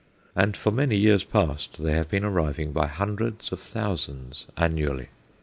And for many years past they have been arriving by hundreds of thousands annually!